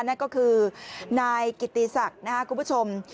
นั่นก็คือนายกิติศักดิ์นะครับคุณผู้ชม